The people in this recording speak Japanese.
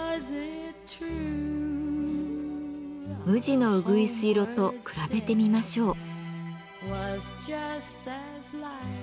無地のうぐいす色と比べてみましょう。